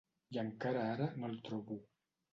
I encara ara no el trobo.